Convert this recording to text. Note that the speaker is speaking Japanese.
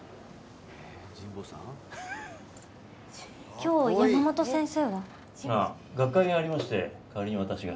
今日山本先生は？ああ学会がありまして代わりに私が。